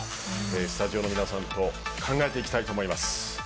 スタジオの皆さんと考えていきたいと思います。